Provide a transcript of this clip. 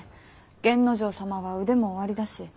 源之丞様は腕もおありだし